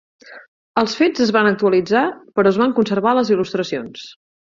Els fets es van actualitzar però es van conservar les il·lustracions.